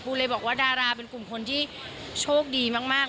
เลยบอกว่าดาราเป็นกลุ่มคนที่โชคดีมาก